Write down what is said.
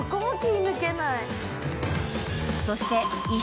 ［そして］